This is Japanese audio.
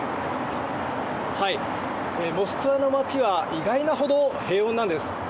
モスクワの街は意外なほど平穏なんです。